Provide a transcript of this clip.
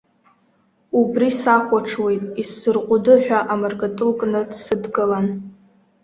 Убри сахәаҽуеит, исзырҟәыды ҳәа амаркатыл кны дсыдгылан.